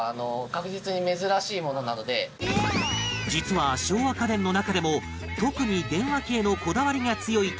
実は昭和家電の中でも特に電話機へのこだわりが強い隆貴君